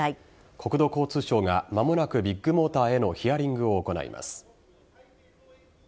国土交通省が間もなくビッグモーターへのヒアリングを行います。